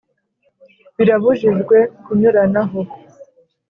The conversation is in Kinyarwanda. Birabujijwe kunyuranaho